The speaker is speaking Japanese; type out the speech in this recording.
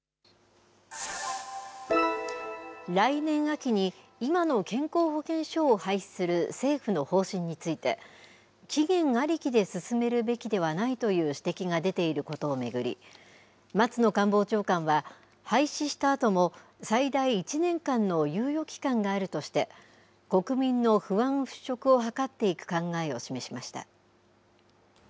来年秋に今の健康保険証を廃止する政府の方針について、期限ありきで進めるべきではないという指摘が出ていることを巡り、松野官房長官は、廃止したあとも最大１年間の猶予期間があるとして、国民の不安払拭を図っていく考えを示しました。